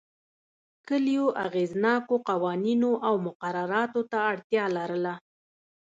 کلیو اغېزناکو قوانینو او مقرراتو ته اړتیا لرله